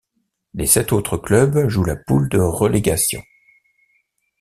Les sept autres clubs jouent la poule de relégation.